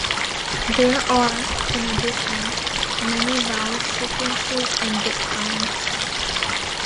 There are, in addition, many vowel sequences and diphthongs.